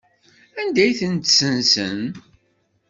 Anda ay ten-ssenzen?